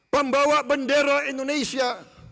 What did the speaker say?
pembawa bendera indonesia